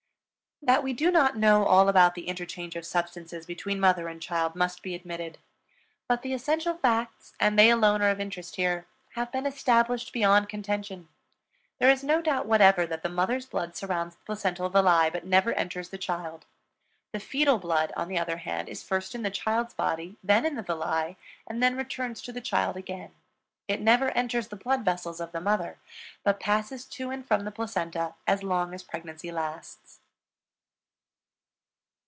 That we do not know all about the interchange of substances between mother and child must be admitted; but the essential facts, and they alone are of interest here, have been established beyond contention. There is no doubt whatever that the mother's blood surrounds the placental villi but never enters the child. The fetal blood, on the other hand, is first in the child's body, then in the villi, and then returns to the child again. It never enters the blood vessels of the mother but passes to and from the placenta as long as pregnancy lasts.